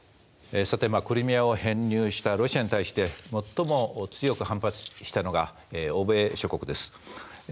さてクリミアを編入したロシアに対して最も強く反発したのが欧米諸国です。